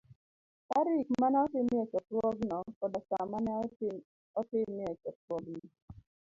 tarik ma ne otimie chokruogno, koda sa ma ne otimie chokruogno